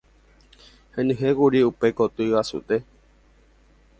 Henyhẽkuri upe koty guasuete.